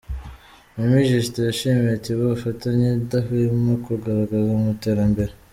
Mimi Justin, yashimiye Tigo ubufatanye idahwema kugaragaza mu iterambere .